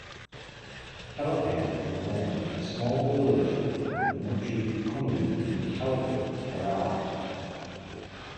Kelappan was born in the small village of Muchukunnu in Calicut, Kerala.